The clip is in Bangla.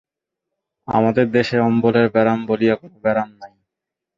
আমাদের দেশে অম্বলের ব্যারাম বলিয়া কোন ব্যারাম নাই।